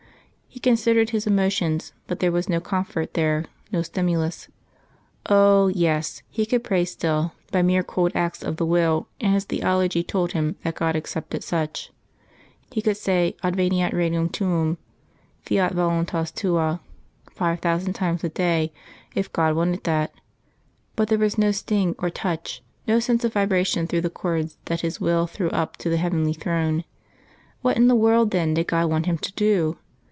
He considered his emotions, but there was no comfort there, no stimulus. Oh! yes; he could pray still, by mere cold acts of the will, and his theology told him that God accepted such. He could say "Adveniat regnum tuum. ... Fiat voluntas tua," five thousand times a day, if God wanted that; but there was no sting or touch, no sense of vibration through the cords that his will threw up to the Heavenly Throne. What in the world then did God want him to do?